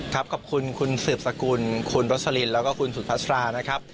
ขอบคุณคุณสืบสกุลคุณรสลินคุณสุภัชตรา